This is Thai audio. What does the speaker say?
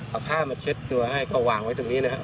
เอาผ้ามาเช็ดตัวให้ก็วางไว้ตรงนี้นะครับ